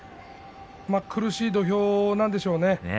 苦しい土俵なんでしょう。